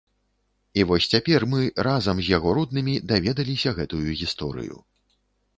І вось цяпер мы, разам з яго роднымі, даведаліся гэтую гісторыю.